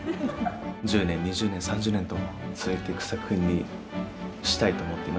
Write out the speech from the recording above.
１０年２０年３０年と続いていく作品にしたいと思っています。